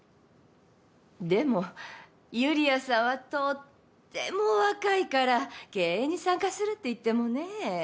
でもユリアさんはとってもお若いから経営に参加するっていってもね。